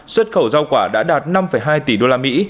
xuất khẩu rau quả đã đạt năm hai tỷ đô la mỹ